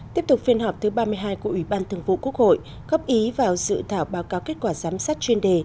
tiếp tục phiên họp thứ ba mươi hai của ủy ban thường vụ quốc hội góp ý vào dự thảo báo cáo kết quả giám sát chuyên đề